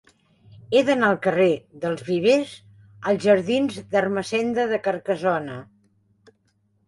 He d'anar del carrer dels Vivers als jardins d'Ermessenda de Carcassona.